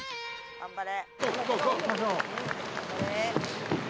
頑張れ。